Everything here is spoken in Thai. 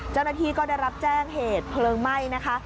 เจ้าหน้าที่ก็ได้รับแจ้งเหตุเพลิงไหม้นะคะ